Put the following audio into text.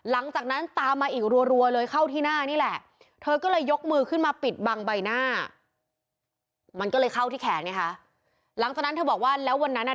มันก็เลยเข้าที่แขนเนี้ยค่ะหลังจากนั้นเธอบอกว่าแล้ววันนั้นอ่ะ